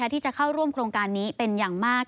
ที่จะเข้าร่วมโครงการนี้เป็นอย่างมาก